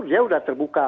dia udah terbuka